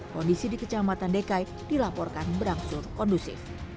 kondisi di kecamatan dekai dilaporkan berangsur kondusif